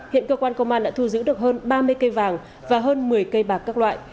hiện cơ quan công an đã thu giữ được hơn ba mươi cây vàng và hơn một mươi cây bạc các loại